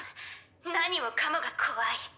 何もかもが怖い。